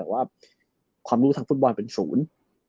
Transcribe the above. หรือทางฝุ่ดบ่อนเป็นศูนย์